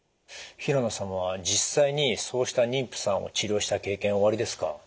平野さんは実際にそうした妊婦さんを治療した経験はおありですか？